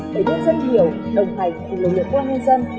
để đất dân hiểu đồng hành với lực lượng công an nhân dân